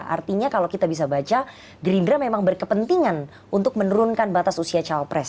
artinya kalau kita bisa baca gerindra memang berkepentingan untuk menurunkan batas usia cawapres